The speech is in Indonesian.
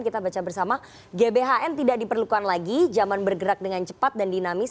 kita baca bersama gbhn tidak diperlukan lagi zaman bergerak dengan cepat dan dinamis